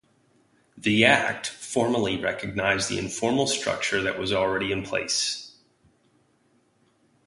The Act formally recognized the informal structure that was already in place.